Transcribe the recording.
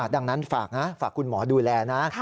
ดังนั้นฝากนะฝากคุณหมอดูแลนะ